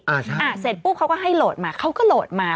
อ่าเสร็จปุ๊บเค้าก็ให้โหลดมาเค้าก็โหลดมา